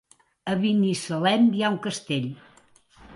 A Binissalem hi ha un castell?